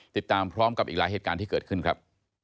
ติดตามพร้อมกับอีกหลายเหตุการณ์ที่เกิดขึ้นครับ